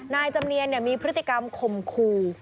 นายจำเนียนมีพฤติกรรมข่มขู่